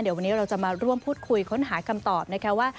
เดี๋ยววันนี้เราจะมาร่วมพูดคุยค้นหาคำตอบนะคะว่า